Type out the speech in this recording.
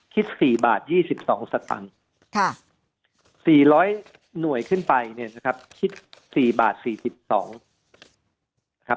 ๔บาท๒๒สตังค์๔๐๐หน่วยขึ้นไปเนี่ยนะครับคิด๔บาท๔๒นะครับ